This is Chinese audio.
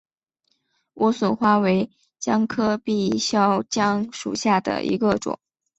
莴笋花为姜科闭鞘姜属下的一个种。